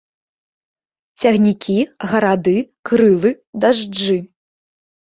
Цягнікі, гарады, крылы, дажджы.